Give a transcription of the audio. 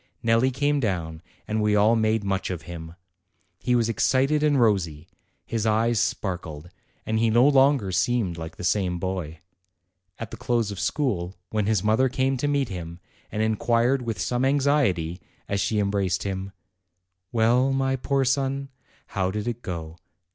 Nelli came down, and we all made much of him. He was excited and rosy, his eyes sparkled, and he no longer seemed like the same boy. At the close of school, when his mother came to meet him, and inquired with some anxiety, as she embraced him, "Well, my poor son, how did it go?